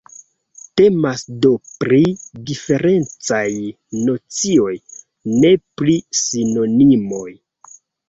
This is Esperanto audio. Temas do pri diferencaj nocioj, ne pri sinonimoj.